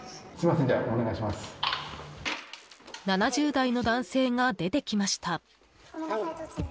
７０代の男性が出てきました。